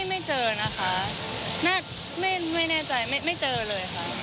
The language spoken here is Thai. ไม่เจอนะคะไม่แน่ใจไม่เจอเลยค่ะ